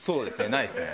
ないですね。